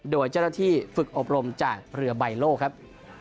โดยเจ้าหน้าที่ฝึกอบรมจากเรือใบโลกครับ